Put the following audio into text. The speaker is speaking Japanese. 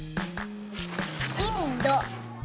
インド。